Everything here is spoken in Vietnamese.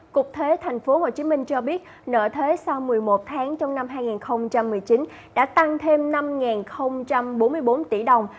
cục thuế tp hcm cho biết nợ thuế sau một mươi một tháng trong năm hai nghìn một mươi chín đã tăng thêm năm bốn mươi bốn tỷ đồng